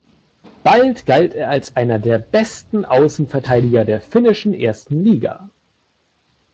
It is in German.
Bald galt er als einer der besten Außenverteidiger der finnischen ersten Liga.